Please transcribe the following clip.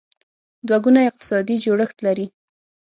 دوه ګونی اقتصادي جوړښت لري.